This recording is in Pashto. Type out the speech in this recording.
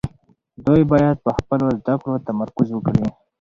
دوی باید په خپلو زده کړو تمرکز وکړي.